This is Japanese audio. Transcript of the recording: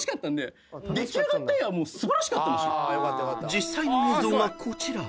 ［実際の映像がこちら］